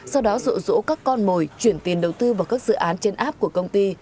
sau đó rộ các con mồi chuyển tiền đầu tư vào các dự án trên app của công ty